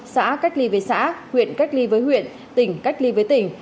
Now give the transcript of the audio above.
xã cách ly với xã huyện cách ly với huyện tỉnh cách ly với tỉnh